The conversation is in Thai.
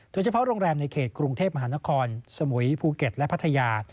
โดยเฉพาะโรงแรมในเขตกรุงเทพมหานครสมุยภูเก็ตและพัทยา